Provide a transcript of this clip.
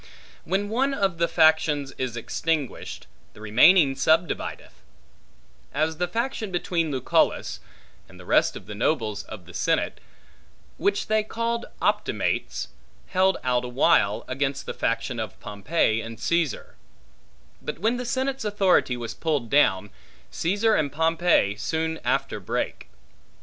When one of the factions is extinguished, the remaining subdivideth; as the faction between Lucullus, and the rest of the nobles of the senate (which they called Optimates) held out awhile, against the faction of Pompey and Caesar; but when the senate's authority was pulled down, Caesar and Pompey soon after brake.